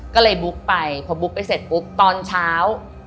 ก็เลยบุ๊กไปพอบุ๊กไปเสร็จปุ๊บตอนเช้า